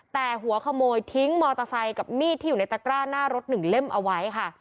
แต่หัวขโมยทิ้งมอเตอร์ไซค์กับมีดที่อยู่ในตะกร้าหน้ารถหนึ่งเล่มเอาไว้ค่ะ